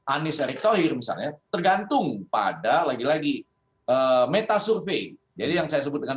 anies erick thohir misalnya tergantung pada lagi lagi meta survei jadi yang saya sebut dengan